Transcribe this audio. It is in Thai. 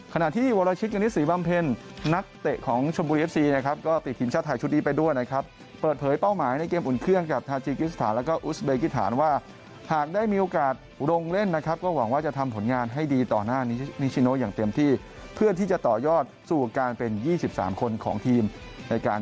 ขณะที่วรชิตกณิตศรีบำเพ็ญนักเตะของชมบุรีเอฟซีนะครับก็ติดทีมชาติไทยชุดนี้ไปด้วยนะครับเปิดเผยเป้าหมายในเกมอุ่นเครื่องกับทาจิกิสถานแล้วก็อุสเบกิฐานว่าหากได้มีโอกาสลงเล่นนะครับก็หวังว่าจะทำผลงานให้ดีต่อหน้านิชิโนอย่างเต็มที่เพื่อที่จะต่อยอดสู่การเป็น๒๓คนของทีมในการ